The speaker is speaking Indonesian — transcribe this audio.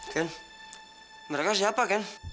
ken mereka siapa ken